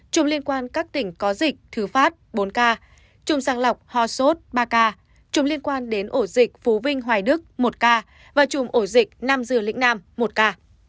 chủng liên quan đến các tỉnh có dịch thứ phát bốn ca chủng sàng lọc ho sốt ba ca chủng liên quan đến ổ dịch phú vinh hoài đức một ca và chủng ổ dịch nam dừa lĩnh nam một ca